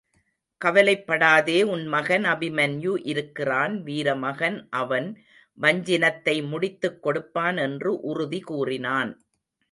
கவலைப்படாதே உன் மகன் அபிமன்யு இருக்கிறான் வீரமகன் அவன் வஞ்சினத்தை முடித்துக் கொடுப்பான் என்று உறுதி கூறினான்.